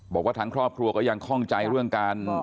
บอกว่าทางครอบครัวก็ยังคล่องใจเรื่องการ